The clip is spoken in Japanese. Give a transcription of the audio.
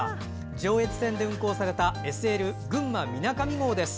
上越線で運行された「ＳＬぐんまみなかみ号」です。